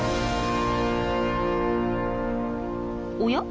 おや？